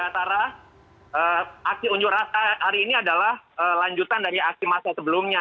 antara aksi unjuk rasa hari ini adalah lanjutan dari aksi masa sebelumnya